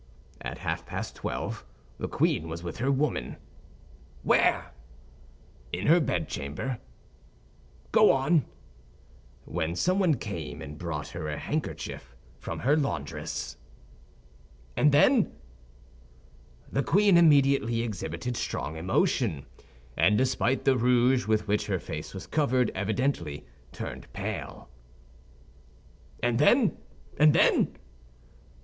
"At half past twelve the queen was with her women—" "Where?" "In her bedchamber—" "Go on." "When someone came and brought her a handkerchief from her laundress." "And then?" "The queen immediately exhibited strong emotion; and despite the rouge with which her face was covered evidently turned pale—" "And then, and then?"